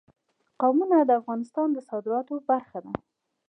قومونه د افغانستان د صادراتو برخه ده.